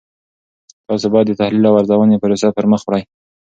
تاسې باید د تحلیلي او ارزونې پروسه پرمخ وړئ.